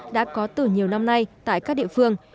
đã có từ nhiều năm nay tại các địa phương